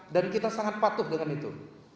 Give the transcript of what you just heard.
dan kita sangat patuh dengan itu